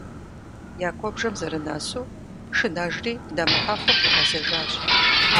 Я куэбжэм зэрынэсу, шынэжри, дэмыхьэфу къигъэзэжащ.